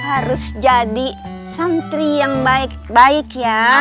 harus jadi santri yang baik baik ya